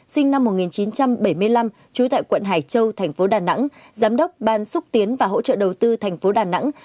sinh năm một nghìn chín trăm bảy mươi năm trú tại quận hải châu thành phố đà nẵng giám đốc ban xúc tiến và hỗ trợ đầu tư tp đà nẵng